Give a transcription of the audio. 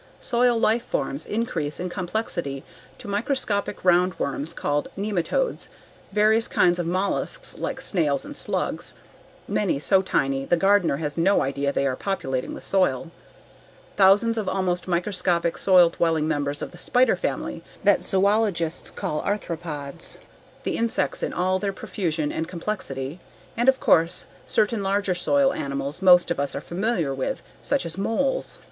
Soil life forms increase in complexity to microscopic round worms called nematodes, various kinds of mollusks like snails and slugs (many so tiny the gardener has no idea they are populating the soil), thousands of almost microscopic soil dwelling members of the spider family that zoologists call arthropods, the insects in all their profusion and complexity, and, of course, certain larger soil animals most of us are familiar with such as moles.